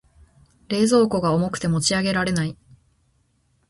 冷蔵庫が重くて持ち上げられない。